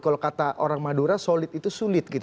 kalau kata orang madura solid itu sulit gitu